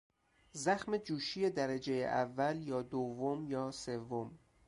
زخم جوشی درجهی اول یا دوم یا سوم